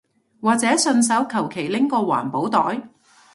或者順手求其拎個環保袋